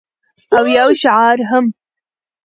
او یو شعار هم